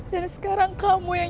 dan sekarang kamu yang